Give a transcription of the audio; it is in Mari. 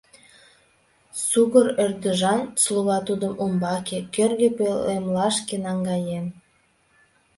Сугыр ӧрдыжан слуга тудым умбаке, кӧргӧ пӧлемлашке наҥгаен.